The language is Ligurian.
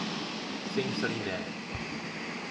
Sensa dinæ.